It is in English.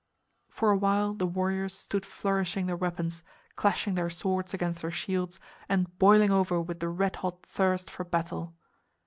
For awhile the warriors stood flourishing their weapons, clashing their swords against their shields and boiling over with the red hot thirst for battle.